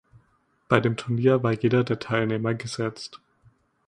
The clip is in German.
Bei dem Turnier war jeder der Teilnehmer gesetzt.